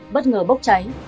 bất ngờ bốc cháy